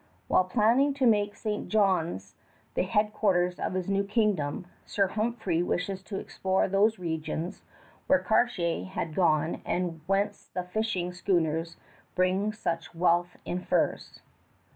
While planning to make St. John's the headquarters of his new kingdom, Sir Humphrey wishes to explore those regions where Cartier had gone and whence the fishing schooners bring such wealth in furs.